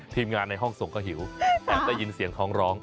ทีมงานในห้องส่งก็หิวแต่ได้ยินเสียงท้องร้อง